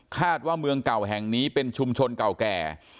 คาดว่าเมืองเก่าแห่งนี้เป็นชุมชนเก่าแก่